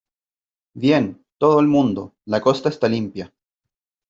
¡ Bien , todo el mundo , la costa está limpia !